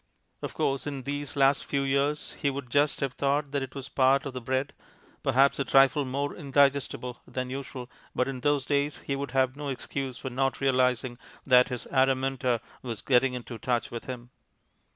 Of course, in these last few years he would just have thought that it was part of the bread, perhaps a trifle more indigestible than usual, but in those days he would have no excuse for not realizing that his Araminta was getting into touch with him.